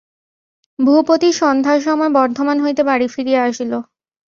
ভূপতি সন্ধ্যার সময় বর্ধমান হইতে বাড়ি ফিরিয়া আসিল।